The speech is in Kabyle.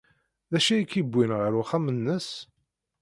D acu ay k-yewwin ɣer uxxam-nnes?